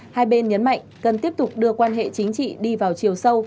hai bên nhấn mạnh cần tiếp tục đưa quan hệ chính trị đi vào chiều sâu